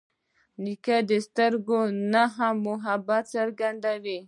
نیکه د سترګو نه هم محبت څرګندوي.